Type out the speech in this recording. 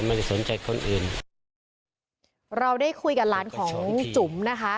ไม่ได้สนใจคนอื่นเราได้คุยกับหลานของจุ๋มนะคะ